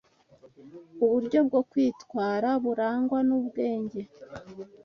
Uburyo bwo kwitwara burangwa n’ubwenge